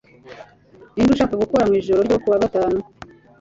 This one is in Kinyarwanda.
Ninde ushaka gukora mwijoro ryo kuwa gatanu